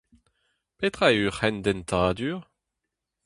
Petra eo ur c'hendentadur.